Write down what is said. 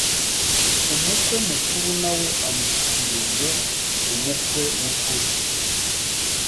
umukwe mukuru na we amushyikirize umukwe w’ukuri